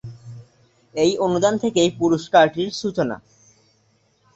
এই অনুদান থেকেই পুরস্কারটির সূচনা।